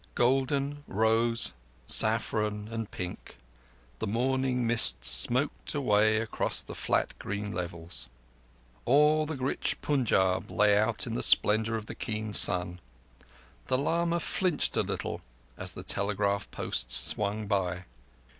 Golden, rose, saffron, and pink, the morning mists smoked away across the flat green levels. All the rich Punjab lay out in the splendour of the keen sun. The lama flinched a little as the telegraph posts swung by.